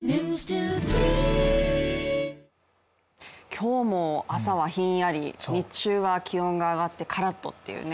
今日も朝はひんやり、日中は気温が上がってからっとというね。